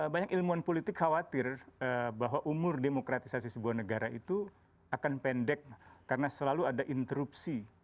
banyak ilmuwan politik khawatir bahwa umur demokratisasi sebuah negara itu akan pendek karena selalu ada interupsi